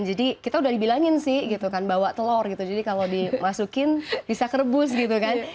jadi kita udah dibilangin sih gitu kan bawa telor gitu jadi kalau dimasukin bisa kerebus gitu kan